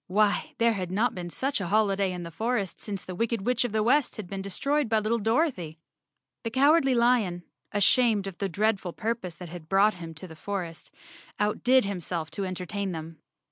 Why, there had not been such a holiday in the forest since the wicked Witch of the West had been destroyed by lit¬ tle Dorothy. The Cowardly Lion, ashamed of the dreadful pur¬ pose that had brought him to the forest, outdid him¬ self to entertain them.